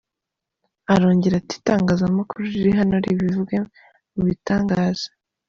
Arongera ati “Itangazamakuru riri hano ribivuge, mubitangaze.